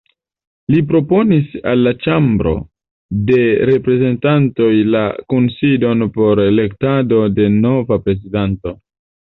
Li proponis al la Ĉambro de Reprezentantoj la kunsidon por elektado de nova prezidanto.